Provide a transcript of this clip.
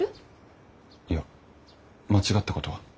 いや間違ったことは。